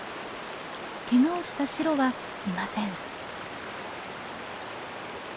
けがをしたシロはいません。